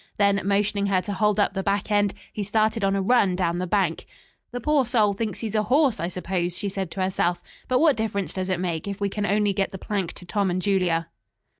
Then motioning her to hold up the back end, he started on a run down the bank. "The poor soul thinks he's a horse, I suppose," she said to herself, "but what difference does it make, if we can only get the plank to Tom and Julia?"